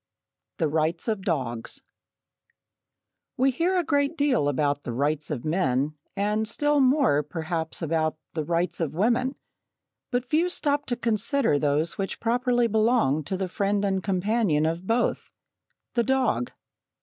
The Rights of Dogs We hear a great deal about the "rights of men" and still more, perhaps, about the "rights of women," but few stop to consider those which properly belong to the friend and companion of both the dog.